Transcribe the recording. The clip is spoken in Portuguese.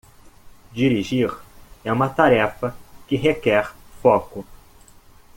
Dirigir é uma tarefa que requer foco.